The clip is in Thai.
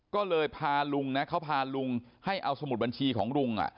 ก็เลยพาลุงนะเขาพาลุงให้เอาสมุดบัญชีของลุง